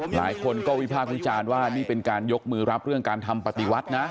หลายคนก็วิพากษ์วิจารณ์ว่านี่เป็นการยกมือรับเรื่องการทำปฏิวัตินะ